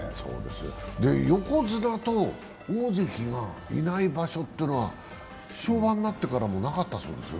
横綱と大関がいない場所というのは昭和になってからなかったそうですよ。